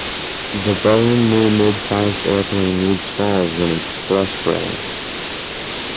The Boeing New Midsize Airplane needs falls in its thrust range.